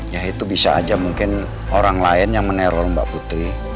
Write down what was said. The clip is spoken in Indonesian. ya itu bisa aja mungkin orang lain yang meneror mbak putri